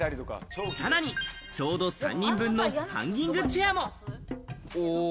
さらにちょうど３人分のハンギングチェアも。